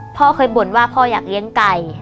พ่อเคยบ่นว่าพ่ออยากเลี้ยงไก่